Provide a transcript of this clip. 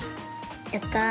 やった！